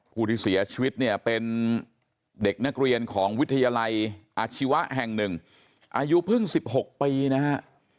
ผู้ที่เสียชีวิตเนี่ยเป็นเด็กนักเรียนของวิทยาลัยอาชีวะแห่งหนึ่งอายุเพิ่ง๑๖ปีนะฮะ